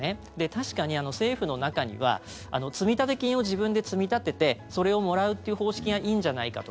確かに、政府の中には積立金を自分で積み立ててそれをもらうという方式がいいんじゃないかと。